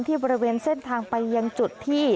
บริเวณเส้นทางไปยังจุดที่